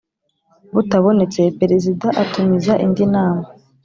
butabonetse Perezida atumiza indi nama